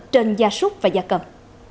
trên gia súc và gia cầm